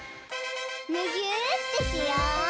むぎゅーってしよう！